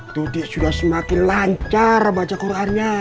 tudi sudah semakin lancar baca qurannya